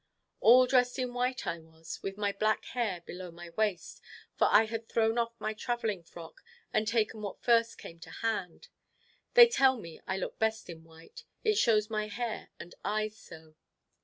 All dressed in white I was, with my black hair below my waist, for I had thrown off my travelling frock, and taken what first came to hand. They tell me I look best in white, it shows my hair and eyes so.